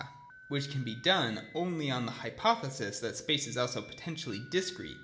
which can be done only on the hypo thesis that space is also potentially discrete.